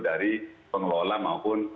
dari pengelola maupun